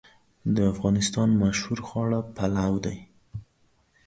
د افغانستان مشهور خواړه پلو دی